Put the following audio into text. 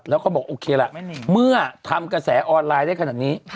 แล้วก็บอกโอเคล่ะเมื่อทำกระแสออนไลน์ได้ขนาดนี้